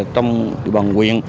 trong địa bàn nguyện